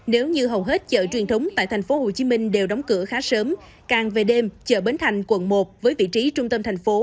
nếu như hầu hết chợ truyền thống tại tp hcm đều đóng cửa khá sớm càng về đêm chợ bến thành quận một với vị trí trung tâm thành phố